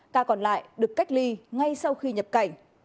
ca còn lại được cách ly ngay sau khi nhập cảnh